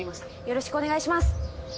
よろしくお願いします。